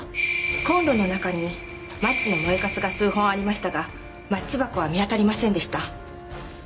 コンロの中にマッチの燃えカスが数本ありましたがマッチ箱は見当たりませんでした。